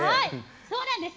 そうなんです！